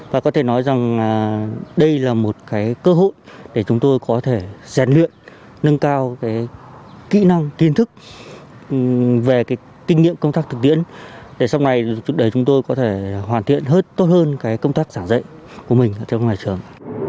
và có thể nói rằng đây là một cơ hội để chúng tôi có thể giàn luyện nâng cao kỹ năng thiên thức về kinh nghiệm công tác thực tiễn để sau này chúng tôi có thể hoàn thiện tốt hơn công tác giảng dạy của mình ở trong nhà trường